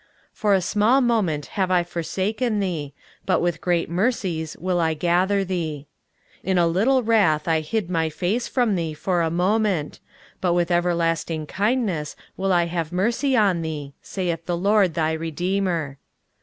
23:054:007 For a small moment have I forsaken thee; but with great mercies will I gather thee. 23:054:008 In a little wrath I hid my face from thee for a moment; but with everlasting kindness will I have mercy on thee, saith the LORD thy Redeemer.